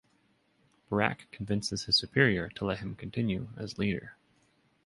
Brack convinces his superior to let him continue as leader.